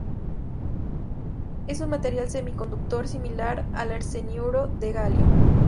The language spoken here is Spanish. Es un material semiconductor similar al arseniuro de galio.